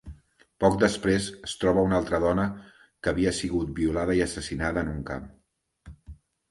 Poc després, es troba una altra dona que havia sigut violada i assassinada en un camp.